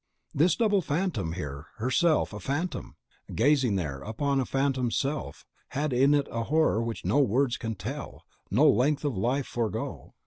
This double phantom here herself a phantom, gazing there upon a phantom self had in it a horror which no words can tell, no length of life forego.